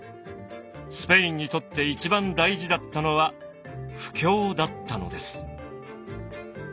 スペインにとって一番大事だったのは布教だったのです。